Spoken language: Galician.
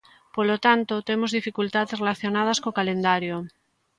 Polo tanto, temos dificultades relacionadas co calendario.